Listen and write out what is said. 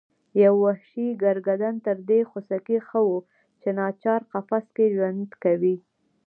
یو وحشي ګرګدن تر دې خوسکي ښه و چې ناچار قفس کې ژوند کوي.